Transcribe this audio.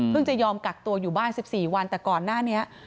จะยอมกักตัวอยู่บ้าน๑๔วันแต่ก่อนหน้านี้